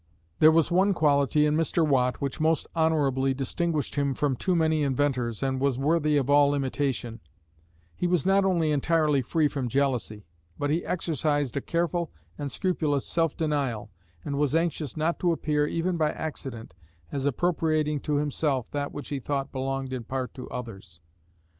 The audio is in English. There was one quality in Mr. Watt which most honorably distinguished him from too many inventors, and was worthy of all imitation; he was not only entirely free from jealousy, but he exercised a careful and scrupulous self denial, and was anxious not to appear, even by accident, as appropriating to himself that which he thought belonged in part to others.